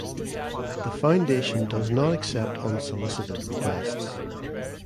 The foundation does not accept unsolicited requests.